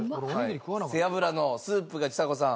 背脂のスープがちさ子さん。